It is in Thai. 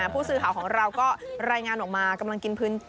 ผู้สื่อข่าวของเราก็รายงานออกมากำลังกินพื้น